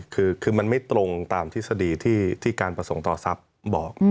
คือมันไม่ตรงตามทฤษฎีที่การประสงค์ต่อทรัพย์บอก